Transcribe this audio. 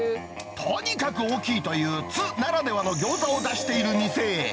とにかく大きいという津ならではの餃子を出している店へ。